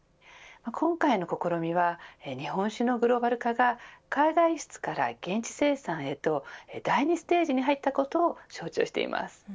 今回の試みは日本酒のグローバル化が海外輸出から現地生産へと第２ステージに入ったことを象徴しています。